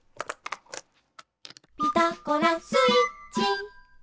「ピタゴラスイッチ」